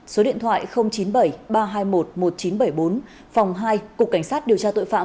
số điện thoại chín mươi bảy ba trăm hai mươi một một nghìn chín trăm bảy mươi bốn phòng hai cục cảnh sát điều tra tội phạm